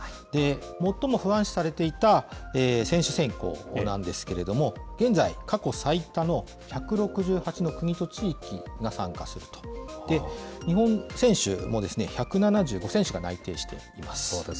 最も不安視されていた選手選考なんですけれども、現在、過去最多の１６８の国と地域が参加すると、日本選手も１７５選手が内定しています。